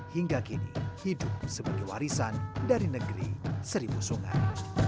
hingga kini hidup sebagai warisan dari negeri seribu sungai